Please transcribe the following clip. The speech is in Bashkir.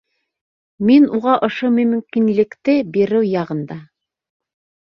Мин уға ошо мөмкинлекте биреү яғында.